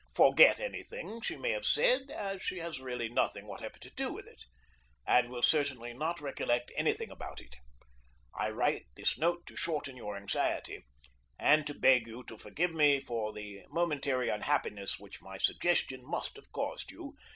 Forget any thing that she may have said, as she has really nothing whatever to do with it, and will certainly not recollect any thing about it. I write this note to shorten your anxiety, and to beg you to forgive me for the momentary unhappiness which my suggestion must have caused you.